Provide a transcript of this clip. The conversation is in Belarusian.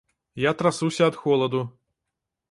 Я трасуся ад холаду.